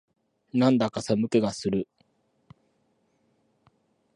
なんだか寒気がする